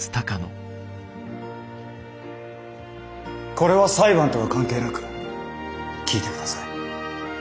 これは裁判とは関係なく聞いてください。